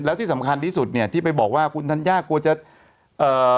แล้วที่สำคัญที่สุดเนี่ยที่ไปบอกว่าคุณธัญญากลัวจะเอ่อ